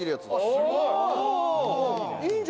「すごい！」